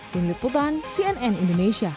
pemiliputan cnn indonesia